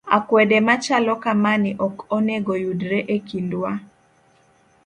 Akwede machalo kamani ok onego yudre e kindwa